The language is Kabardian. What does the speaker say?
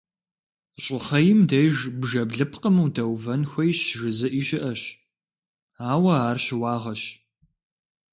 Щӏыхъейм деж бжэ блыпкъым удэувэн хуейщ жызыӏи щыӏэщ, ауэ ар щыуагъэщ.